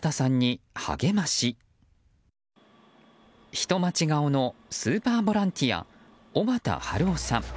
人待ち顔のスーパーボランティア尾畠春夫さん。